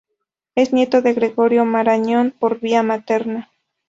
Es nieto de Gregorio Marañón por vía materna.